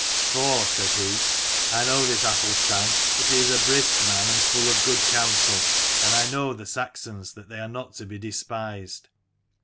"For," said he, "I know this Athelstan, that he is a brisk man and full of 74 good counsel: and I know the Saxons that they are not to be despised.